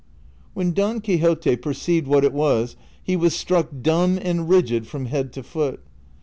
When Don Quixote perceived what it was, he was struck dumb and rigid from head to foot.